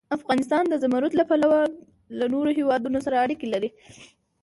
افغانستان د زمرد له پلوه له نورو هېوادونو سره اړیکې لري.